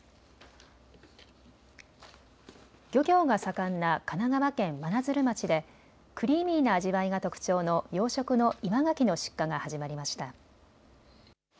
漁業が盛んな神奈川県真鶴町でクリーミーな味わいが特徴の養殖の岩ガキの出荷が始まりました。